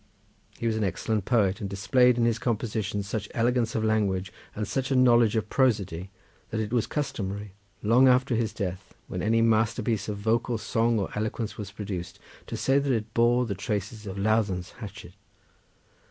He was an excellent poet, and displayed in his compositions such elegance of language, and such a knowledge of prosody, that it was customary long after his death, when any master piece of vocal song or eloquence was produced, to say that it bore the traces of Lawdden's hatchet.